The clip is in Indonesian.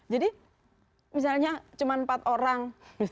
jadi misalnya cuma empat orang